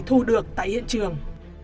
thu được tại hiện trường